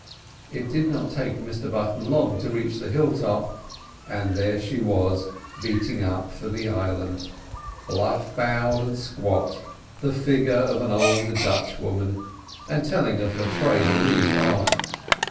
It did not take Mr Button long to reach the hill top, and there she was, beating up for the island. Bluff bowed and squab, the figure of an old Dutch woman, and telling of her trade a league off.